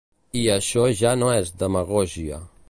I això ja no és demagògia.